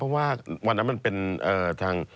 เพราะว่าวันนั้นมันเป็นทาง